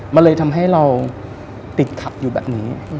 มันเลยทำให้เราติดขับอยู่แบบนี้